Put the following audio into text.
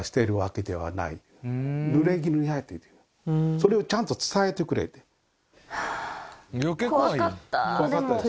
それをちゃんと伝えてくれ言うてはあ怖かったでしょ